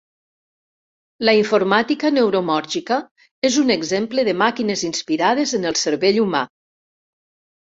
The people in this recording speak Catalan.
La informàtica neuromòrfica és un exemple de màquines inspirades en el cervell humà.